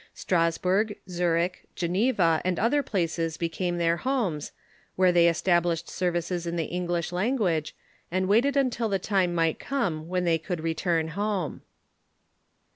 Strasburg, Zurich, Geneva, and other places became their homes, Avhere they established services in the English language, and Avaited until the time might come Avhen they could return home.